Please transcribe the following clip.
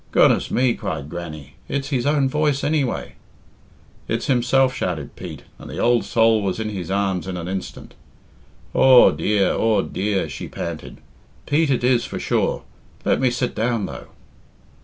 "Goodness me!" cried Grannie; "it's his own voice anyway." "It's himself," shouted Pete, and the old soul was in his arms in an instant. "Aw dear! Aw dear!" she panted. "Pete it is for sure. Let me sit down, though."